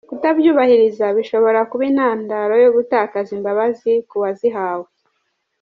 Kutabyubahiriza bishobra kuba intandaro yo gutakaza imbabazi ku wazihawe.